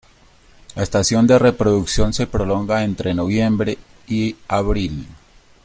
La estación de reproducción se prolonga entre noviembre y abril.